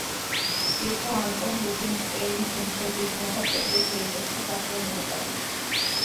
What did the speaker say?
იყო ანტონ რუბინშტეინის უმცროსი ძმა და პეტრე ჩაიკოვსკის ახლო მეგობარი.